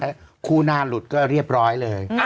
ถ้าคู่หน้าหลุดก็เรียบร้อยเลย